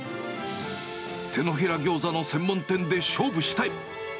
てのひらギョーザの専門店で勝負したい。